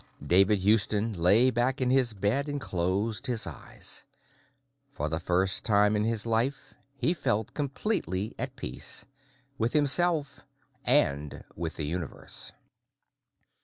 David Houston lay back in his bed and closed his eyes. For the first time in his life, he felt completely at peace with himself, and with the Universe.